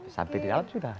sampai di dalam sudah